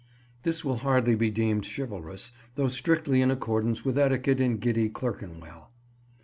This will hardly be deemed chivalrous, though strictly in accordance with etiquette in giddy Clerkenwell.